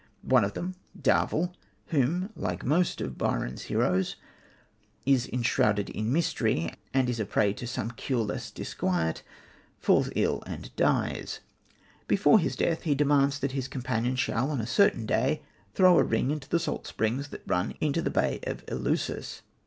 One of them, Darvell, who, like most of Byron's heroes, is enshrouded in mystery, and is a prey to some cureless disquiet, falls ill and dies. Before his death he demands that his companion shall on a certain day throw a ring into the salt springs that run into the bay of Eleusis.